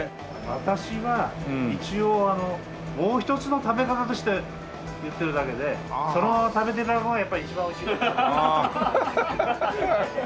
私は一応もう一つの食べ方として言ってるだけでそのまま食べて頂くのがやっぱ一番美味しいと思います。